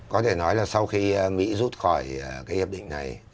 có thể nói là sau khi mỹ rút khỏi cái hiệp định này